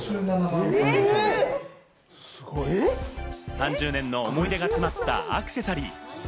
３０年の思い出が詰まったアクセサリー。